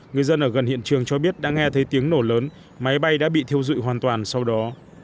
người dân ở gần hiện trường cho biết đã nghe thấy tiếng nổ lớn máy bay đã bị thiêu dụi hoàn toàn sau đó